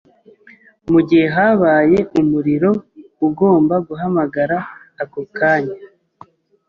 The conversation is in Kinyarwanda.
Mugihe habaye umuriro, ugomba guhamagara ako kanya.